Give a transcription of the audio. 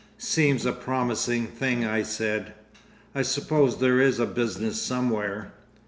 "Seems a promising thing," I said. "I suppose there is a business somewhere?"